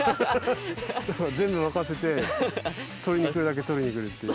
全部任せて取りに来るだけ取りに来るっていう。